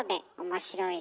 面白い。